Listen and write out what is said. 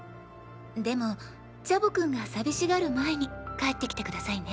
でもチャボ君が寂しがる前に帰ってきて下さいね。